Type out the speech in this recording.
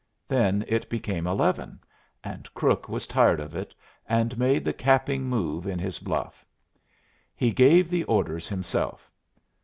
Then it became eleven, and Crook was tired of it, and made the capping move in his bluff. He gave the orders himself.